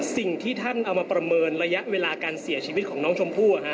สิ่งที่ท่านเอามาประเมินระยะเวลาการเสียชีวิตของน้องชมพู่